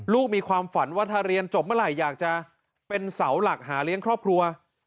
มีความฝันว่าถ้าเรียนจบเมื่อไหร่อยากจะเป็นเสาหลักหาเลี้ยงครอบครัว